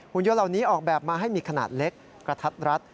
ยนต์เหล่านี้ออกแบบมาให้มีขนาดเล็กกระทัดรัด